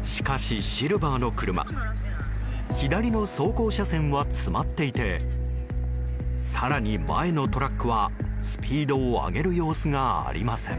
しかし、シルバーの車左の走行車線は詰まっていて更に、前のトラックはスピードを上げる様子がありません。